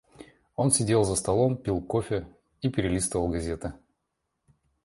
Он сидел за столом, пил кофе и перелистывал газеты.